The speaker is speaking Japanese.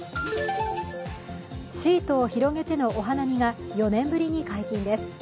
シートを広げてのお花見が４年ぶりに解禁です。